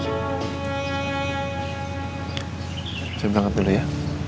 siap banget dulu ya